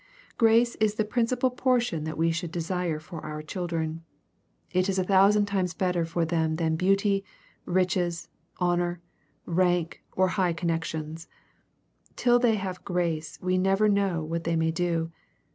Grace is the principal portion that we should desire for our children. It is a thousand times better for them than beauty, riches, honors, rank, or high connexions. Till they have grace we never know what they may do.